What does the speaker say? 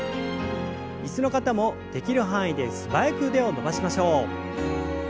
椅子の方もできる範囲で素早く腕を伸ばしましょう。